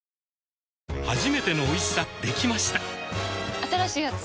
新しいやつ？